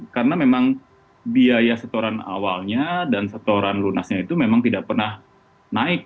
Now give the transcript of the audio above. karena memang biaya setoran awalnya dan setoran lunasnya itu memang tidak pernah naik